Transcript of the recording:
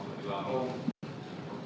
maksud di agung